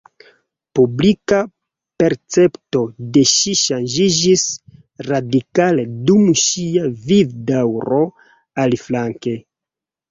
Publika percepto de ŝi ŝanĝiĝis radikale dum ŝia vivdaŭro, aliflanke.